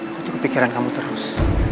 aku tuh kepikiran kamu terus